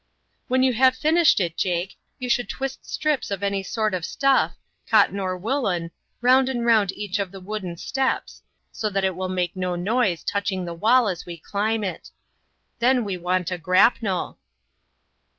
"When you have finished it, Jake, you should twist strips of any sort of stuff, cotton or woolen, round and round each of the wooden steps, so that it will make no noise touching the wall as we climb it. Then we want a grapnel."